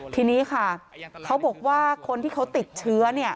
ทีนี้ค่ะเขาบอกว่าคนที่เขาติดเชื้อ